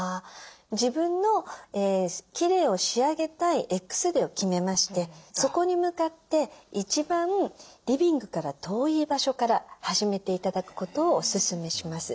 自分のきれいを仕上げたいＸデーを決めましてそこに向かって一番リビングから遠い場所から始めて頂くことをおすすめします。